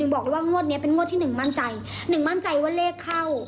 บอกเลยว่างวดนี้เป็นงวดที่หนึ่งมั่นใจหนึ่งมั่นใจว่าเลขเข้า